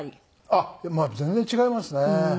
あっ全然違いますね。